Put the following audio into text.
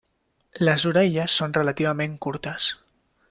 Les orelles són relativament curtes.